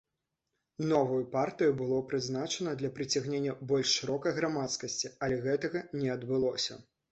Новую партыю было прызначана для прыцягнення больш шырокай грамадскасці, але гэтага не адбылося.